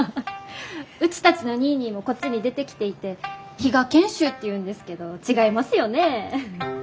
うちたちのニーニーもこっちに出てきていて比嘉賢秀っていうんですけど違いますよね？